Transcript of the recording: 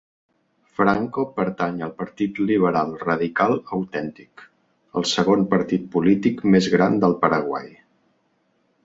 Franco pertany al Partit Liberal Radical Autèntic, el segon partit polític més gran del Paraguai.